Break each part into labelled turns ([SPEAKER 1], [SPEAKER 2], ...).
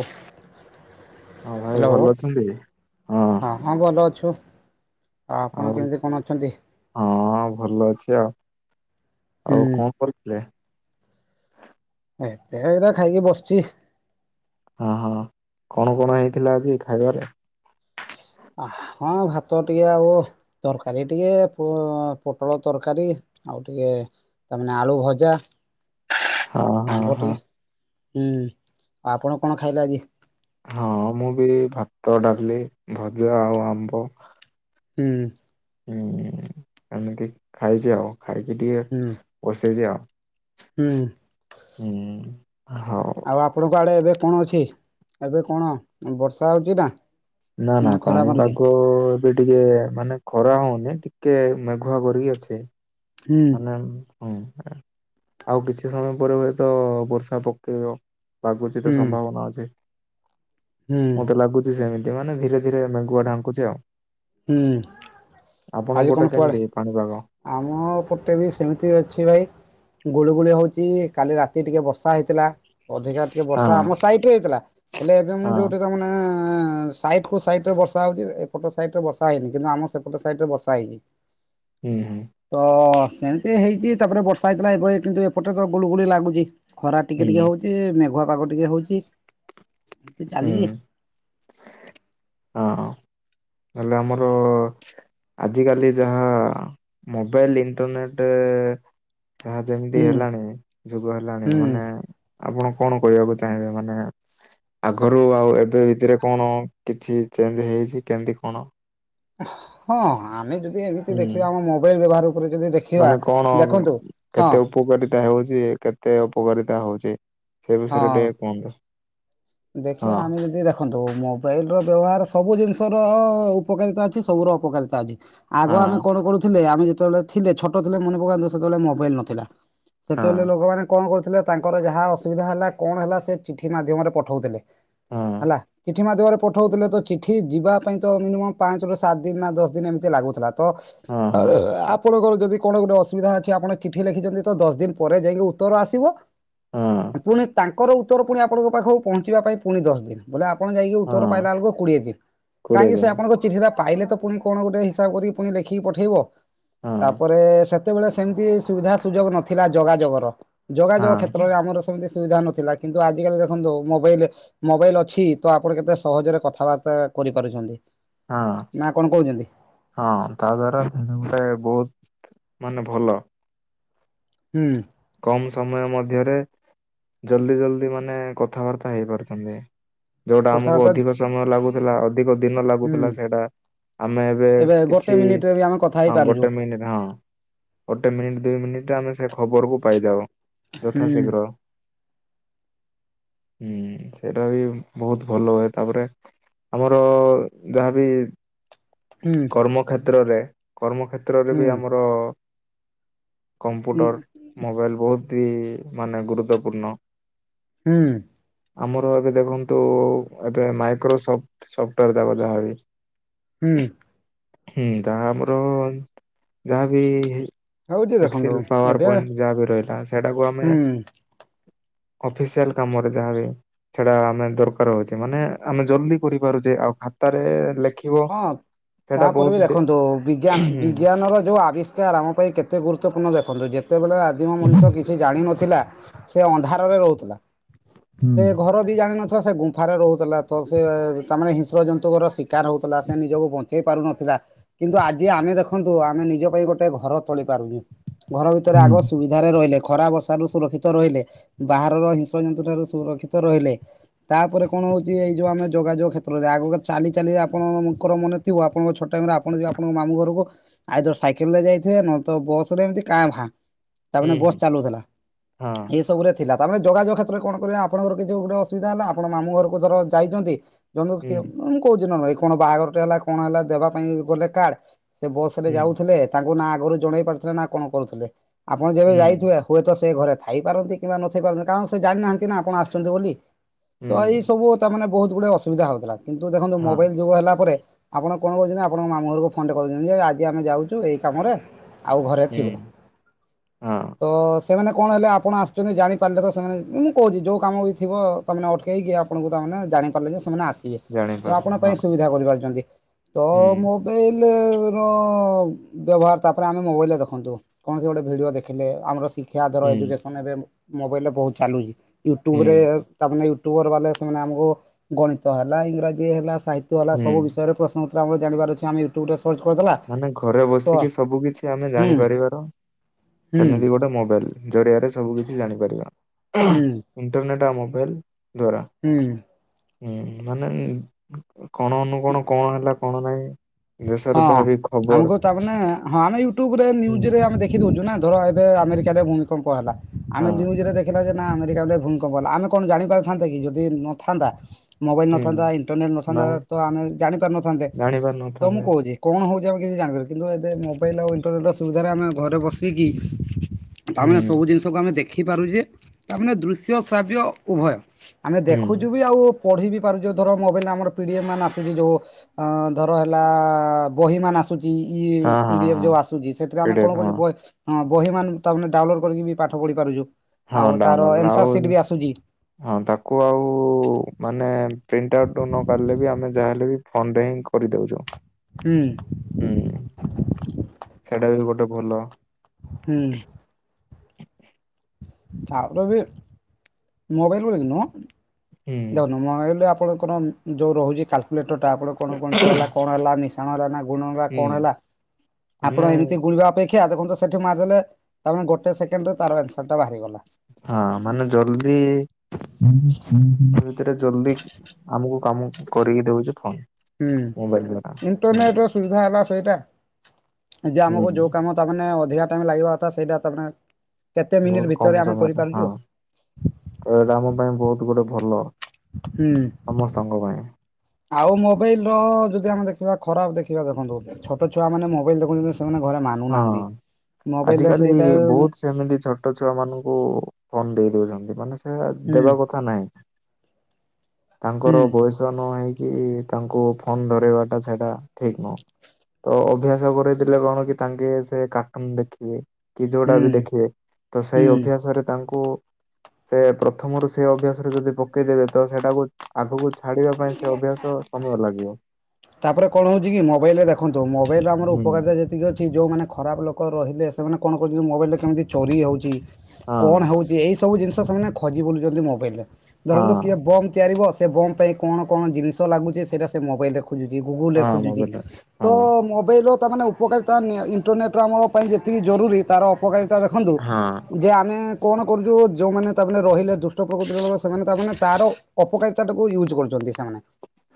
[SPEAKER 1] ଓ
[SPEAKER 2] ହଁ ଭାଇ
[SPEAKER 1] ହ୍ୟାଲୋ
[SPEAKER 2] ଭଲ ଅଛନ୍ତି? ହଁ
[SPEAKER 1] ହଁ ଭଲ ଅଛୁ। ଆପଣ
[SPEAKER 2] ଆଉ
[SPEAKER 1] କେମିତି କଣ ଅଛନ୍ତି?
[SPEAKER 2] ହଁ ଭଲ ଅଛି ଆଉ
[SPEAKER 1] ହୁଁ
[SPEAKER 2] ଆଉ କଣ କରୁଥିଲେ?
[SPEAKER 1] ଏତେ ଏବେ ଖାଇକି ବସିଛି।
[SPEAKER 2] ହଁ ହଁ କଣ କଣ ହେଇଥିଲା ଆଜି ଖାଇବାରେ?
[SPEAKER 1] ହଁ ଭାତ ଟିକେ ଆଉ ତରକାରୀ ଟିକେ ପୋ-ପୋଟଳ ତରକାରୀ। ଆଉ ଟିକେ ତାମାନେ ଆଳୁ ଭଜା
[SPEAKER 2] ହଁ ହଁ
[SPEAKER 1] ଆମ୍ବ
[SPEAKER 2] ହଁ
[SPEAKER 1] ଟିକେ ହୁଁ ଆଉ ଆପଣ କଣ ଖାଇଲେ ଆଜି?
[SPEAKER 2] ହଁ ମୁଁ ବି ଭାତ ଡାଲି ଭଜା ଆଉ ଆମ୍ବ।
[SPEAKER 1] ହୁଁ।
[SPEAKER 2] ହୁଁ ଏମିତି ଖାଇଛି ଆଉ ଖାଇକି ଟିକେ
[SPEAKER 1] ହୁଁ
[SPEAKER 2] ବସେଇଛିି ଆଉ।
[SPEAKER 1] ହୁଁ।
[SPEAKER 2] ହୁଁ ହଉ।
[SPEAKER 1] ଆଉ ଆପଣଙ୍କ ଆଡ଼େ ଏବେ କଣ ଅଛି ଏବେ କଣ ବର୍ଷା ହଉଛି ନା?
[SPEAKER 2] ନା ନା
[SPEAKER 1] ଖରା ମାରୁଛି?
[SPEAKER 2] ପାଣିପାଗ ଏବେ ଟିକେ ମାନେ ଖରା ହଉନି। ଟିକେ ମେଘୁଆ କରିକି ଅଛି
[SPEAKER 1] ହୁଁ
[SPEAKER 2] ମାନେ ହଁ। ଆଉ କିଛି ସମୟ ପରେ ହୁଏତ ବର୍ଷା ପକେଇବ ଲାଗୁଛି ତ
[SPEAKER 1] ହୁଁ
[SPEAKER 2] ସମ୍ଭାବନା ଅଛି।
[SPEAKER 1] ହୁଁ
[SPEAKER 2] ମତେ ଲାଗୁଛି ସେମିତି ମାନେ ଧୀରେ ଧୀରେ ମେଘୁଆ ଢାଙ୍କୁୁଛି ଆଉ।
[SPEAKER 1] ହୁଁ
[SPEAKER 2] ଆପଣଙ୍କ
[SPEAKER 1] ଆଜି
[SPEAKER 2] ପଟେ
[SPEAKER 1] କଣ କୁଆଡ଼େ
[SPEAKER 2] କେମିତି ପାଣିପାଗ?
[SPEAKER 1] ଆମ ଗୋଟେ ବି ସେମିତି ଅଛି ଭାଇ ଗୁଳିୁ ଗୁଳି ହଉଛି କାଲି ରାତି ଟିକେ ବର୍ଷା ହେଇଥିଲା। ଅଧିକା ଟିକେ
[SPEAKER 2] ହଁ
[SPEAKER 1] ବର୍ଷା ଆମ ସାଇଟରେ ହେଇଥିଲା ହେଲେ ଏବେ ମୁଁ
[SPEAKER 2] ହଁ
[SPEAKER 1] ଯୋଉଠି ସାଇଟ୍ କୁ ସାଇଟି ବର୍ଷା ହଉଛି ଏପଟ ସାଇଡ ରେ ବର୍ଷା ହେଇନି କିନ୍ତୁ ଆମ ସେପଟ ସାଇଡି ବର୍ଷା ହେଇ
[SPEAKER 2] ହୁଁ ହୁଁ
[SPEAKER 1] ତ ସେମିତି ହେଇଛି ତାପରେ ବର୍ଷା ହେଇଥିଲା ଏ କିନ୍ତୁ ଏପଟେ ତ ଗୁଳୁ ଗୁଳି ଲାଗୁଛି। ଖରା
[SPEAKER 2] ହୁଁ
[SPEAKER 1] ଟିକେ ଟିକେ ହଉଛି ମେଘୁଆ ପାଗ ଟିକେ ହଉଛି ଚାଲିଛି।
[SPEAKER 2] ହୁଁ ହଁ ହେଲେ ଆମର ଆଜିକାଲି ଯାହା ମୋବାଇଲ ଇଣ୍ଟରନେଟ୍ ଯାହା ଯେମିତି
[SPEAKER 1] ହୁଁ
[SPEAKER 2] ହେଲାଣି ଯୁଗ ହେଲାଣି
[SPEAKER 1] ହୁଁ।
[SPEAKER 2] ମାନେ ଆପଣ କଣ କହିବାକୁ ଚାହିଁବେ ମାନେ ଆଗରୁ ଆଉ ଏବେ ଭିତରେ କଣ କିଛି ଚେଞ୍ଜ ହେଇଛି କେମିତି କଣ?
[SPEAKER 1] ହଁ ଆମେ ଏମିତି
[SPEAKER 2] ହୁଁ
[SPEAKER 1] ଦେଖିବା ଆମ ମୋବାଇଲ ବ୍ୟବହାର ଉପରେ ଯଦି ଦେଖିବା
[SPEAKER 2] ମାନେ କଣ
[SPEAKER 1] ଦେଖନ୍ତୁ ହଁ।
[SPEAKER 2] ହେଉଛି କେତେ ଉପକାରିତା ହଉଛି ସେ ବିଷୟରେ
[SPEAKER 1] ହଁ
[SPEAKER 2] ଟିକେ କୁହନ୍ତୁ। ହଁ
[SPEAKER 1] ଦେଖିବା ଆମେ ଯଦି ଦେଖନ୍ତୁ ମୋବାଇଲ ର ବ୍ୟବହାର ସବୁ ଜିନିଷ। ଉପକାରିତା ଅଛି ସବୁର ଅପକାରିତା ଅଛି ଆଗ
[SPEAKER 2] ହଁ।
[SPEAKER 1] ଆମେ କଣ କରୁଥିଲେ ଆମେ ସେତେବେଳେ ଥିଲେ ଛୋଟ ଥିଲେ ମନେ ପକାନ୍ତୁ ସେତେବେଳେ ମୋବାଇଲ ନଥିଲା
[SPEAKER 2] ହଁ
[SPEAKER 1] ସେତେବେଳେ ଲୋକମାନେ କଣ କରୁ ତାଙ୍କର ଯାହା ଅସୁବିଧା ହେଲା କଣ ହେଲା ସେ ଚିଠି ମାଧ୍ୟମରେ ପଠଉଥିଲେ।
[SPEAKER 2] ହଁ
[SPEAKER 1] ହେଲା ଚିଠି ମାଧ୍ୟମରେ ପଠଉଥିଲେ ତ ଚିଠି ଯିବା ପାଇଁ ତ ମିନିମମ୍ ପାଞ୍ଚ ରୁ ସାତ ଦିନ ନା ଦଶ ଦିନ ଏମିତି ଲାଗୁଥିଲା। ତ
[SPEAKER 2] ହଁ ହଁ
[SPEAKER 1] ଆ ଆପଣଙ୍କର ଯଦି କଣ ଗୋଟେ ଅସୁବିଧା ଅଛି ଆପଣ ଚିଠି ଲେଖିଛନ୍ତି ତ ଦଶ ଦିନ ପରେ ଯାଇକି ଉତ୍ତର ଆସିବ।
[SPEAKER 2] ହଁ
[SPEAKER 1] ପୁଣି ତାଙ୍କର ଉତ୍ତର ପୁଣି ଆପଣଙ୍କ ପାଖକୁ ପହଞ୍ଚିବା ପାଇଁ ପୁଣି ଦଶ ଦିନ୍ ଆପଣ ଯାଇକି ଉତ୍ତର
[SPEAKER 2] ହଁ
[SPEAKER 1] ପାଇଲା ବେଳକୁ କୁ କୋଡ଼ିଏ ଦିନ୍
[SPEAKER 2] କୋଡିଏ
[SPEAKER 1] କହିକି ସେ
[SPEAKER 2] ଦିନ
[SPEAKER 1] ଆପଣଙ୍କ ଚିଠି ପାଇଲେ ତ ପୁଣି କଣ ଗୋଟେ ହିସାବ କରିକି ପୁଣି ଲେଖିକି ପଠେଇବ
[SPEAKER 2] ହଁ
[SPEAKER 1] ତାପରେ ସେ ସେତେବେଳେ ସେମିତି ସୁବିଧା ସୁଯୋଗ ନଥିଲା ଯୋଗାଯୋଗ ର ଯୋଗାଯୋଗ
[SPEAKER 2] ହଁ
[SPEAKER 1] କ୍ଷେତ୍ରରେ ଆମର ସେମିତି ସୁବିଧା ନଥିଲା କିନ୍ତୁ ଆଜିକାଲି ଦେଖନ୍ତୁ। ମୋବାଇଲ ମୋବାଇଲ ଅଛି ତ ଆପଣ କେତେ ସହଜରେ କଥାବାର୍ତ୍ତା କରିପାରୁଛନ୍ତି।
[SPEAKER 2] ହଁ
[SPEAKER 1] ନା କଣ କହୁଛନ୍ତି
[SPEAKER 2] ହଁ ତା ଦ୍ଵାରା ଗୋଟେ ବହୁତ୍ ମାନେ ଭଲ।
[SPEAKER 1] ହୁଁ।
[SPEAKER 2] କମ୍ ସମୟ ମଧ୍ୟରେ ଜଲଦି ଜଲଦି ମାନେ କଥାବାର୍ତ୍ତା ହେଇପାରୁଛନ୍ତି। ଯୋଉଟା ଆମକୁ
[SPEAKER 1] କଥାବାର୍ତ୍ତା
[SPEAKER 2] ଅଧିକ ସମୟ ଲାଗୁଥିଲା ଅଧିକ ଦିନ
[SPEAKER 1] ହୁଁ।
[SPEAKER 2] ଲାଗୁଥିଲା ସେଇଟା ଆମେ ଏବେ
[SPEAKER 1] ଗୋଟେ
[SPEAKER 2] କିଛି
[SPEAKER 1] ମିନିଟରେ ବି ଆମେ କଥା
[SPEAKER 2] ହଁ
[SPEAKER 1] ହେଇପାରୁଛୁ
[SPEAKER 2] ଗୋଟେ ମିନିଟ୍ ହଁ। ଗୋଟେ ମିନିଟ୍ ଦୁଇ ମିନିଟ୍ ଆମେ ସେ ଖବରକୁ ପାଇଯାଉ
[SPEAKER 1] ହୁଁ
[SPEAKER 2] ଯଥାଶୀଘ୍ର। ହୁଁ ସେଟା ବି ବହୁତ୍ ଭଲ ହୁଏ ତାପରେ ଆମର ଯାହାବି
[SPEAKER 1] ହୁଁ
[SPEAKER 2] କର୍ମକ୍ଷେତ୍ରରେ କର୍ମକ୍ଷେତ୍ରରେ ବି ଆମର
[SPEAKER 1] ହୁଁ।
[SPEAKER 2] ବହୁତ୍ ହି ମାନେ ଗୁରୁତ୍ୱପୂର୍ଣ୍ଣ।
[SPEAKER 1] ହୁଁ।
[SPEAKER 2] ଆମର ଏବେ ଦେଖନ୍ତୁ ଏବେ ମାଇକ୍ରୋସଫ୍ଟ୍ ସଫ୍ଟଓୟାର ଦବ ଯାହା
[SPEAKER 1] ହୁଁ।
[SPEAKER 2] ହୁଁ ତାହା ଆମର ଯାହା ବି
[SPEAKER 1] ହଉ ଟିକେ ଦେଖନ୍ତୁ
[SPEAKER 2] ଏକ୍ସଲ ପାୱାର
[SPEAKER 1] ଏବେ
[SPEAKER 2] ପଏଣ୍ଟ। ଯାହା ବି ରହିଲା ସେଟାକୁ ଆମେ
[SPEAKER 1] ହୁଁ
[SPEAKER 2] ଅଫିସିଆଲ କାମରେ ଯାହାବି। ସେଟା ଆମେ ଦରକାର ହଉଛି ମାନେ ଆମେ ଜଲଦି କରିପାରୁଛେ ଆଉ ଖାତାରେ ଲେ
[SPEAKER 1] ହଁ। ତାପରେ ବି ଦେଖନ୍ତୁ ବିଜ୍ଞାନ
[SPEAKER 2] ହୁଁ।
[SPEAKER 1] ବିଜ୍ଞାନର ଯଉ ଆବିଷ୍କାର ଆମ ପାଇଁ କେତେ ଗୁରୁତ୍ୱପୂର୍ଣ୍ଣ ଦେଖନ୍ତୁ ଯେ। ଯେତେବେଳେ ଆଜିମ ମଣିଷ କିଛି ଜାଣିନଥିଲା ସେ ଅନ୍ଧାରରେ ରହୁଥିଲା।
[SPEAKER 2] ହୁଁ
[SPEAKER 1] ସେ ଘର ବି ଜାଣିିନଥିଲା ସେ ଗୁମ୍ଫାରେ ରହୁଥିଲା ତ ସେ ତା ମାନେ ହିଂସ୍ର ଜନ୍ତୁଙ୍କର ଶିକାର ହଉଥିଲା। ଥିଲା ସେ ନିଜକୁ ବଞ୍ଚେଇ ପାରୁନଥିଲା କିନ୍ତୁ ଆଜି ଆମେ ଦେଖନ୍ତୁ ଆମେ ନିଜ ପାଇଁ ଗୋଟେ ଘର ତୋଳି ପାରୁନୁ। ଘର ଭିତରେ
[SPEAKER 2] ହୁଁ
[SPEAKER 1] ଆଗ ସୁବିଧାରେ ରହିଲେ। ଖରା ବର୍ଷାରୁ ସୁରକ୍ଷିତ ରହିଲେ ବାହାରର ହିଂସ୍ର ଜନ୍ତୁ ଠାରୁ ସୁରକ୍ଷିତ ରହିଲେ। ତାପରେ କଣ ହଉଛି ଏଇ ଯୋଉ ଆମେ ଯୋଗାଯୋଗ କ୍ଷେତ୍ରରେ ଆଗ ଚାଲି ଚାଲି। ଆପଣଙ୍କର ମନେ ଥିବ ଆପଣଙ୍କ ଛୋଟ ଟାଇମ ରେ ଆପଣ ଆପଣଙ୍କ ମାମୁ ଘରକୁ ଆଇଦର ସାଇକେଲ ରେ ଯାଇଥିବେ ନହେଲେତ ବସ ରେ ଏମତି କା ଭଁ ତାମାନେ ବସ୍
[SPEAKER 2] ହୁଁ
[SPEAKER 1] ଚାଲୁଥିଲା
[SPEAKER 2] ହଁ
[SPEAKER 1] ଏ ସବୁରେ। ଥିଲା ତାମାନେ ଯୋଗାଯୋଗ କ୍ଷେତ୍ରରେ କଣ କରିବେ ଆପଣଙ୍କର କିଛି ଗୋଟେ ଅସୁବିଧା ହେଲା ଆପଣ ମାମୁ ଘରକୁ ଧର ଯାଇଛନ୍ତି। ଜୁ ମୁଁ
[SPEAKER 2] ହୁଁ
[SPEAKER 1] କହୁଛି ନ ନ ଏ କଣ ବାହାଘରଟେ ହେଲା କଣ ହେଲା ଦେବା ପାଇଁ ଗଲେ କାର୍ଡ। ସେ ବସ ରେ
[SPEAKER 2] ହୁଁ
[SPEAKER 1] ଯାଉଥିଲେ ତାଙ୍କୁ ନା ଆଗରୁ ଜଣେଇ ପାରୁଥିଲେ ନା କଣ କରୁଥିଲେ। ଆପଣ ଯେବେ
[SPEAKER 2] ହୁଁ
[SPEAKER 1] ଯାଇଥିବେ ହୁଏତ। ସେ ଘରେ ଥାଇପାରନ୍ତି କିମ୍ବା ନଥାଇ ପାରନ୍ତି କାରଣ ସେ ଜାଣିନାହାନ୍ତି ନା ଆପଣ ଆସୁଛନ୍ତି ବୋଲି। ତ
[SPEAKER 2] ହୁଁ।
[SPEAKER 1] ଏଇ ସବୁ ତାମାନୋନେ ବହୁତ ଗୁଡେ ଅସୁବିଧା ହଉଥିଲା କିନ୍ତୁ ଦେଖନ୍ତୁ ମୋ
[SPEAKER 2] ହଁ
[SPEAKER 1] ଯୋଗ ହେଲା ପରେ ଆପଣ କଣ କରୁଛନ୍ତି ଆପଣଙ୍କ ମାମୁ ଘରକୁ ଫୋନଟେ କରଛନ୍ତି ଯେ ଆଜି ଆମେ ଯାଉଛୁ ଏଇ କାମରେ। ଆଉ ଘରେ ଥିବ
[SPEAKER 2] ହୁଁ ହଁ
[SPEAKER 1] ତ ସେମାନେ କଣ ହେଲେ ଆପଣ ଆସୁଛନ୍ତି ଜାଣିପାରିଲେ ତ ସେମାନେ ମୁଁ କହୁଛି ଯେଉଁ କାମ ବି ଥିବ ତାମାନେ ଅଟକେଇକି ଆପଣଙ୍କୁ ତା ଜାଣି ପାରିଲେ ଯେ ସେମାନେ ଆସିବେ ତ ଆପଣ
[SPEAKER 2] ଜାଣିପାରିଲେ
[SPEAKER 1] ପାଇଁ
[SPEAKER 2] ହଁ
[SPEAKER 1] ସୁବିଧା କରିପାରଛନ୍ତି ତ
[SPEAKER 2] ହୁଁ
[SPEAKER 1] ମୁବି। [inaudible] ବ୍ୟବହାର ତାପରେ ଆମେ ମୋବାଇଲ ରେ ଦେଖନ୍ତୁ କଣସି ଗୋଟେ ଭିଡିଓ ଦେଖିଲେ ଆମର ସି ଶିକ୍ଷାଧର
[SPEAKER 2] ହୁଁ
[SPEAKER 1] ଏଜୁକେସନ୍ ଏବେ ମୋବାଇଲରେ ବହୁତ ଚାଲୁଛି ୟୁଟ୍ୟୁବ୍ରରେ
[SPEAKER 2] ହୁଁ
[SPEAKER 1] ତାମାନେ। ବାଲେ ସେ ଆମକୁ ଗଣିତ ହେଲା ଇଂରାଜୀ ହେଲା ସାହିତ୍ୟ ହେଲା
[SPEAKER 2] ହୁଁ
[SPEAKER 1] ସବୁ ବିଷୟରେ ପ୍ରଶ୍ନ। ର ଜଣାର ଅ ଆ ୟୁଟୁବରେ
[SPEAKER 2] ମାନେ ଘରେ ବସିକି ସବୁ କିଛି ଆମେ
[SPEAKER 1] ହୁଁ
[SPEAKER 2] ଜାଣିପାରିବାର
[SPEAKER 1] ହୁଁ
[SPEAKER 2] ସେମିତି ଗୋଟେ ମୋବାଇଲ। ଜରିଆରେ ସବୁ କିଛି ଜାଣିପାରିବା
[SPEAKER 1] ହୁଁ
[SPEAKER 2] ଇଣ୍ଟରନେଟ ଆଉ ମୋବାଇଲ। ଦ୍ଵାରା
[SPEAKER 1] ହୁଁ।
[SPEAKER 2] ହୁଁ ମାନେ କଣ ଅନୁକଣ କଣ ହେଲା କଣ ନାହିଁ ଦେଶରେ।
[SPEAKER 1] ହଁ ଆମକୁ ତାମାନେ ହଁ ଆମେ ୟୁଟ୍ୟୁଭୁରେ
[SPEAKER 2] ହୁଁ
[SPEAKER 1] ନ୍ୟଜ ଆମ ଦେଖିଦଉଛୁ ନା ଧର ଏବେ ଆମେରିକ। କମ୍ପ ହେଲା ଆମେ
[SPEAKER 2] ହଁ
[SPEAKER 1] ନ୍ୟୁଜରେ ଦେଖିଲେଜେ। ନା ଆମେରିକା ବଳେ ଭୁଲ କଣବଲା ଆମେ କଣ ଜାଣିପାରଥାନ୍ତା କି ଯଦି ନଥାନ୍ତା। ମୋବାଇଲ
[SPEAKER 2] ହୁଁ
[SPEAKER 1] ନଥାନ୍ତା ଇଣ୍ଟରନେଟ ନଥାନ୍ତା
[SPEAKER 2] ନାଇଁ
[SPEAKER 1] ତ ଆମେ ଜାଣିପାରିନଥାନ୍ତେ
[SPEAKER 2] ଜାଣିପାରି
[SPEAKER 1] ତ ମୁଁ
[SPEAKER 2] ନଥାନ୍ତେ
[SPEAKER 1] କହୁଛି କଣ ହଉଛି। ଆମେ କିଛି ଜାଣିପାର କିନ୍ତୁ ଏବେ ମୋବାଇଲ୍ ଆଉ ଇଣ୍ଟରନେଟ୍ ସୁବିଧାରେ ଆମେ ଘରେ ବସିକି। ତାମାନେ
[SPEAKER 2] ହୁଁ
[SPEAKER 1] ସବୁ ଜିନିଷକୁ ଆମେ ଦେଖିପାରୁଛେ ତାମାନେ ଦୃଶ୍ୟ ଶ୍ରାବ୍ୟ ଉଭୟ। ଆମେ
[SPEAKER 2] ହୁଁ
[SPEAKER 1] ଦେଖୁଛୁ ବି ଆଉ ପଢି ବି ପାରୁଛୁଉ ଧର ମୋବାଇଲରେ ଆମର ପିଡିଏମ ମାନ ଆସଚି ଜୋଉ ଧର ହେଲା ବହି ମାନ ଆସୁଛି
[SPEAKER 2] ହଁ ହଁ
[SPEAKER 1] ପୀଡିଫ
[SPEAKER 2] ହଁ
[SPEAKER 1] ଯଉ ଆସୁଛିଥିରେ ଆମେ
[SPEAKER 2] ପିଡିଏଫ
[SPEAKER 1] କଣ
[SPEAKER 2] ହଁ
[SPEAKER 1] କରଛ ବହି ମମାନ ତାମାନେ ଡାଉନଲୋଡ଼ କରି ବି ପାଠଢ଼ିପାରୁଛୁ।
[SPEAKER 2] ହଁ ଡ଼ାଉନଲୋଡ଼ ଆଉ ହଁ ତାକୁ ଆଉ ମାନେ। ପ୍ରିଣ୍ଟ ଆଉଟ୍ ନକିଲେ ବି ଆମେ ଯାହା ହେଲେ ବି ଫୋନରେ ହିଁ କରିଦେଉଛୁ। ହୁଁ ସେଇଟା ବି ଗୋଟେ ଭଲ।
[SPEAKER 1] ହୁଁ। ତାପରେ ବି ମୋବାଇଲ କିନୁ
[SPEAKER 2] ହୁଁ
[SPEAKER 1] ଦେଖନ୍ତୁ ମୋବାଇଲ ଆପଣଙ୍କର ଯେଉଁ ରହୁଛି କାଲକୁଲେଟରଟା ଆପଣ କଣ ଗଣିତ ହେଲା କଣ ହେଲା ମିଶାଣ ହେଲା ନା। ଗୁଣ ହେଲା
[SPEAKER 2] ହୁଁ
[SPEAKER 1] କଣ ହେଲା ଆପଣ
[SPEAKER 2] ମାନେ
[SPEAKER 1] ଏମିତି ଗୁଣିବା ଅପେକ୍ଷା ଦେଖନ୍ତୁ ସେଠି ମାରେଲେ ତାମାନେ ଗୋଟେସେକେଣ୍ଡରେ ତାର ଆନ୍ସରଟା ବାହାରିଗଲା।
[SPEAKER 2] ହଁ ମାନେ ଜଲଦି। ସେଟା ଜଲଦି ଆମକୁ କାମ କରିକି ଦଉଛି ଫୋନ।
[SPEAKER 1] ହୁଁ
[SPEAKER 2] ମୋବାଇଲ ଦ୍ଵାରା ହୁଁ
[SPEAKER 1] ଇଣ୍ଟରନେଟ୍ ର ସୁବିଧା ହେଲା। ସେଇଟା ଯେ ଆମକୁ
[SPEAKER 2] ହୁଁ
[SPEAKER 1] ଯୋଉ କାମ ତା ମାନେ ଅଧିକା ଟାଇମ୍ ଲାଗିବା କଥା ସେଇଟା ତମେ
[SPEAKER 2] ବହୁତ କମ ସମୟରେ ହଁ ତ ଏଟା ଆମ ପାଇଁ ବହୁତ ଗୋଟେ ଭଲ
[SPEAKER 1] ହୁଁ।
[SPEAKER 2] ସମସ୍ତଙ୍କ ପାଇଁ।
[SPEAKER 1] ଆଉ ମୋବାଇଲ ର ଯଦି ଆମେ ଦେଖିବା ଖରାପ ଦେଖିବା ଦେଖନ୍ତୁ ଛୋଟ ଛୁଆ ମାନେ ମୋବାଇଲ ଦେଖଛନ୍ତି। ମାନୁନାହାନ୍ତି।
[SPEAKER 2] ଆଜ କାଲି
[SPEAKER 1] ସେଇଟା ହୁଁ
[SPEAKER 2] ବହୁତ ସେମିତି ଛୋଟ ଛୁଆ ମାନଙ୍କୁ ଫୋନ୍ ଦେଇ ଦଉଛନ୍ତି। ମାନେ ସେଟ ଦେବା
[SPEAKER 1] ହୁଁ
[SPEAKER 2] କଥା ନାହିଁ। ତାଙ୍କର ବୟସ ନ ହେଇ କି ତାଙ୍କୁ ଫୋନ୍ ଧରେଇବା ଟା ସେଟା ଠିକ୍ ନୁହୁଁ। ତ ଅଭ୍ୟାସ କରେଇଥିଲେ କଣ କି ତାଙ୍କେ ସେ କାର୍ଟୁନ ଦେଖିବେ। କି ଯୋଉଟା
[SPEAKER 1] ହୁଁ
[SPEAKER 2] ବି ଦେଖିବେ ତ ସେଇ
[SPEAKER 1] ହୁଁ।
[SPEAKER 2] ଅଭ୍ୟାସରେ ତାଙ୍କୁ ସେ ପ୍ରଥମରୁ ସେ ଅଭ୍ୟାସରେ ଯଦି ପକେଇଦେବେ ତ ସେଇଟାକୁ ଆଗକୁ ଦେଖେଇବା ପାଇଁ ସେ ଅଭ୍ୟାସ ସମୟ ଲାଗିବ।
[SPEAKER 1] ତାପରେ କଣ ହଉଛି କି ମୋବାଇଲ୍ ରେ ଦେଖନ୍ତୁ ମୋବାଇଲ୍ ରେ ଆମର
[SPEAKER 2] ହୁଁ
[SPEAKER 1] ଉପକାରିତା ଯେତିକି ଅଛି। ଯୋଉମାନେ ଖରାପ ଲୋକ ରହିଲେ ସେମାନେ କଣ କରୁଛନ୍ତି। ମୋବାଇଲ୍ ରେ କେମିତି ଚୋରି ହେଉଛି କଣ
[SPEAKER 2] ହଁ
[SPEAKER 1] ହେଉଛି ଏଇ ସବୁ ଜିନିଷ ସେମାନେ ଖୋଜି ବୁଲୁଛନ୍ତି ମୋବାଇଲ୍ ରେ। ଧରନ୍ତୁ କିଏ
[SPEAKER 2] ହଁ
[SPEAKER 1] ବମ୍ ତିଆରିବ ସେ ବମ୍ ପାଇଁ କଣ କଣ ଜିନିଷ ଲାଗୁଛେ ସେଇଟା ସେ ମୋବାଇଲ ଖୋଜୁଛି। ଗୁଗୁଲ
[SPEAKER 2] ହଁ
[SPEAKER 1] ଖୁଜୁଛି
[SPEAKER 2] ମୋବାଇଲ
[SPEAKER 1] ତ
[SPEAKER 2] ହଁ
[SPEAKER 1] ମୋବାଇଲ୍ ର ତା ମାନେ ଉପକାରୀତା ଇଣ୍ଟରନେଟ୍ ର ଆମ ପାଇଁ ଯେତିକି ଜରୁରୀ ତାର ଅପକାରୀ ତ ଦେଖନ୍ତୁ
[SPEAKER 2] ହଁ
[SPEAKER 1] ଯେ ଆମେ କଣ କରୁଛୁ? ଯୋଉଁମାନେ ତାମାନେ ରହିଲେ ଦୁଷ୍ଟ ପ୍ରକୃତି ରହ ସେମାନେ ତାମାନେ ତାର ଅପକାରିତା ଟାକୁ ୟୁଜ୍ କରୁଛନ୍ତି ସେମାନେ।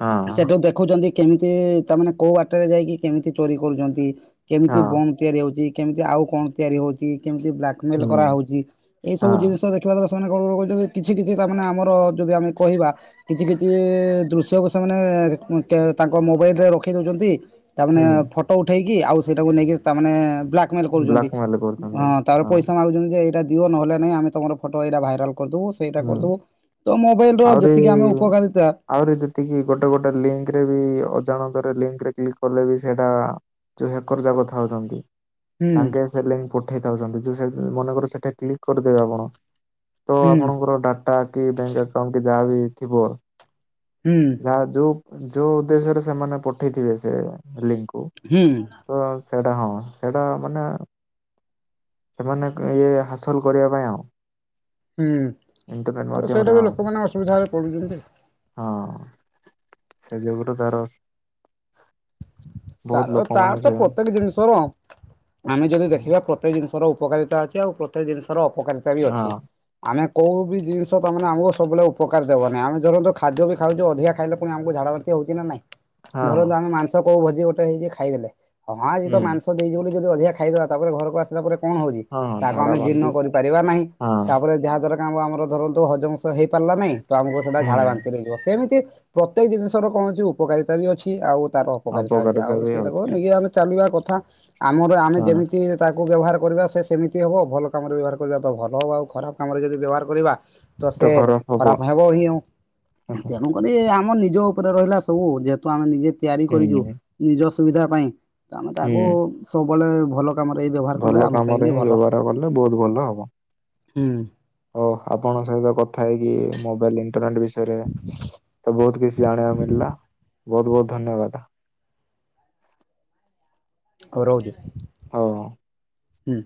[SPEAKER 2] ହଁ
[SPEAKER 1] ସେଠୁ ଦେଖୁଛନ୍ତି କେମିତି ତାମାନୋନେ କୋଉ ବାଟରେ ଯାଇକି କେମିତି ଚୋରି କରୁଛନ୍ତି। କେମିତି
[SPEAKER 2] ହଁ
[SPEAKER 1] ବମ୍ ତିଆରି ହଉଛି। କେମିତି ଆଉ କଣ ତିଆରି ହଉଛି। କେମିତି ବ୍ଲାକ୍ ମେଲ୍
[SPEAKER 2] ହୁଁ
[SPEAKER 1] କରାହଉଛି ଏଇ ସବୁ
[SPEAKER 2] ହଁ
[SPEAKER 1] ଜିନିଷ ଦେଖିବା ସେ କଣ କହୁଛନ୍ତି କିଛି କିଛି ତା ମାନେ ଆମର ଯଦି ଆମେ କହିବା କିଛି କିଛି କି ଦୃଶ୍ୟକୁ ସେମାନେ ତାଙ୍କ ମୋବାଇଲରେ ରଖେଇ ଦେଉଛନ୍ତି। ତା ମାନେ
[SPEAKER 2] ହୁଁ
[SPEAKER 1] ଫଟୋ ଉଠେଇକି ଆଉ ସେଇଟାକୁ ନେଇକି ତା ମାନେ ବ୍ଲାକ୍ ମେଲ୍ କରୁଛନ୍ତି
[SPEAKER 2] ବ୍ଲାକମେଲ କରୁଛନ୍ତି
[SPEAKER 1] ହଁ ତାପରେ ପଇସା ମାଗୁଛନ୍ତି। ଯେ ଏଇଟା ଦିଅ ନହେଲେ ନାଇ ଆମେ ତମର ଫଟୋ ଏଇଟା ଭାଇରାଲ୍ କରିଦବୁ ସେଇଟା
[SPEAKER 2] ହୁଁ
[SPEAKER 1] କରିଦବୁ ତ ମୋବାଇଲ୍ ର ଯେତିକି ଆମେ
[SPEAKER 2] ଆହୁରି
[SPEAKER 1] ଉପକାର
[SPEAKER 2] ଆହୁରି ଯେତିକି ଗୋଟେ ଗୋଟେ ଲିଙ୍କ୍ ରେ ବି ଅଜାଣତା ଏବେ ଲିଙ୍କ୍ ରେ କ୍ଲିକ୍ କଲେ ବି ସେଇଟା ଯୋଉ ହ୍ୟାକର କଥା ହଉଛନ୍ତି।
[SPEAKER 1] ହୁଁ
[SPEAKER 2] ତାଙ୍କେ ସେ ଲିଙ୍କ ପଠେଇଥାଉଛନ୍ତି ଯେଁ ମନେକ ସେଠା କ୍ଲିକ୍ କରିଦେବେ ଆପଣ। ତ
[SPEAKER 1] ହୁଁ।
[SPEAKER 2] ଆପଣଙ୍କର ଡାଟା କି ବ୍ୟାଙ୍କ୍ ଆକାଉଣ୍ଟ କି ଯାହାବି ଥିବ।
[SPEAKER 1] ହୁଁ
[SPEAKER 2] ଯାହା ଯୋଉ ଯୋଉ ଉଦ୍ଦେଶ୍ୟରେ ସେମାନେ ପଠେଇଥିବେ ସେ ଲିଙ୍କ୍
[SPEAKER 1] ହୁଁ।
[SPEAKER 2] ସେଇଟା ହଁ ସେଇଟା ମାନେ ସେମାନେ ଇଏ ହାସଲ କରିବା ପାଇଁ ଆଉ
[SPEAKER 1] ହୁଁ
[SPEAKER 2] ଇଣ୍ଟରନେଟ
[SPEAKER 1] ତ
[SPEAKER 2] ମାଧ୍ୟମରେ
[SPEAKER 1] ସେଇଟା ବି
[SPEAKER 2] ହଁ
[SPEAKER 1] ଲୋକମାନେ ଅସୁବିଧାରେ ପଡୁଛନ୍ତି।
[SPEAKER 2] ହଁ ସେ ଯୁଗରୁ ତାର ବହୁତ
[SPEAKER 1] ତାର ତାର
[SPEAKER 2] ଲୋକମାନେ
[SPEAKER 1] ତ
[SPEAKER 2] ସେ ହଁ
[SPEAKER 1] ପ୍ରତ୍ୟେକ ଜିନିଷ ର ଆମେ ଯଦି ଦେଖିବା ପ୍ରତ୍ୟକ ଜିନିଷ ଉପକାରିତା ଅଛି ଆଉ ପ୍ରତେକ ଜିନିଷର ଅପକାରିତା ବି ଅଛି। ଆମେ କୋଉ ବି ଜିନିଷ ତା ମାନେ ଆମକୁ ସବୁବେଳେ ଉପକାର ଦେବନି। ଆମେ ଧରନ୍ତୁ ଖାଦ୍ୟ ବି ଖାଉଛୁ ଅଧିକା ଖାଇଲେ ପୁଣି ଆମକୁ ଝାଡା ବାନ୍ତି ହଉଛି ନା ନାଇଁ
[SPEAKER 2] ହଁ
[SPEAKER 1] ଧରନ୍ତୁ ଆମେ ମାଂସ କୋଉ ଭୋଜି ଗୋଟେ ହେଇ ଖାଇଦେଲେ। ହଁ ଆଏ ତ
[SPEAKER 2] ହୁଁ
[SPEAKER 1] ମାଂସ ଦେଇ ବୋଲି ଯଦି ଅଧିକ ଖାଇଦାବା ତାପରେ ଘରକୁ ଆସିଲା ପରେ କଣ ହଉଛି
[SPEAKER 2] ହଁ
[SPEAKER 1] ତାକୁ
[SPEAKER 2] ଝାଡା
[SPEAKER 1] ଆମେ
[SPEAKER 2] ବାନ୍ତି
[SPEAKER 1] ଜୀର୍ଣ୍ଣ କରିପାରିବା ନାହିଁ।
[SPEAKER 2] ହଁ
[SPEAKER 1] ତାପରେ ଯାହା ଦ୍ଵାରା ଆ-ଆମର ଧରନ୍ତୁ ହଜମସ ହେଇପାରିଲା ନାହିଁ। ଆମକୁ ସେଇଟା ଝାଡା
[SPEAKER 2] ହୁଁ
[SPEAKER 1] ବାନ୍ତିରେ ହେଇଯିବ। ସେମିତି ପ୍ରତ୍ୟେକ ଜିନିଷର କୌଣସି ଉପକାରିତା ବି ଅଛି ଆଉ ତାର ଅପକାରିତା ଅଛି। ଆଉ
[SPEAKER 2] ବି
[SPEAKER 1] ସେଇଟା
[SPEAKER 2] ହଉଛି
[SPEAKER 1] ନେଜେ ଆମେ ଚାଲିବା କଥା ଆମର ଆମେ
[SPEAKER 2] ହଁ
[SPEAKER 1] ଯେମିତି ତା କକୁ ବ୍ୟବହାର କରିବା ସେ ସେମିତି ହେବ। ଭଲ କାମରେ ବ୍ୟବହାର କରିବା ତ ଭଲ ହେବ। ଆଉ ଖରାପ କାମରେ ଯଦି ବ୍ୟବହାର କରିବା ତ ସେ ଖରାପ ହେବ ହିଁ।
[SPEAKER 2] ହୁଁ
[SPEAKER 1] ତେଣୁକରି ଆମ ନିଜ ଉପରେ ରହିଲା ସବୁ ଯେହେତୁ ଆମେ ନିଜେ ତିଆରି କରିଛୁ ନିଜ ସୁବିଧା ପାଇଁ। ତ ଆମେ ତ
[SPEAKER 2] ହୁଁ
[SPEAKER 1] ଆଗୋ ସବୁବେଳେ ଭଲ ତମର ଏଇ ବ୍ୟବହାର କଲେ
[SPEAKER 2] ଭଲ
[SPEAKER 1] ଆମ ପାଇଁ
[SPEAKER 2] କାମରେ
[SPEAKER 1] ବି
[SPEAKER 2] ହିଁ
[SPEAKER 1] ଭଲ
[SPEAKER 2] ବ୍ୟବହାର କଲେ ବହୁତ ଭଲ ହବ।
[SPEAKER 1] ହୁଁ।
[SPEAKER 2] ହଉ ଆପଣଙ୍କ ସହିତ କଥା ହେଇକି ମୋବାଇଲ ଇଣ୍ଟରନେଟ୍ ବିଷୟରେ ସବୁ ବହୁତ କିଛି ଜାଣିବାକୁ ମିଳିଲା ବହୁତ ବହୁତ ଧନ୍ୟବାଦ।
[SPEAKER 1] ହଉ ରହୁଛି।
[SPEAKER 2] ହଉ।
[SPEAKER 1] ହୁଁ।